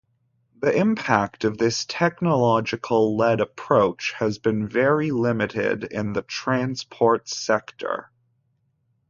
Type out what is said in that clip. The impact of this technological-led approach has been very limited in the transport sector.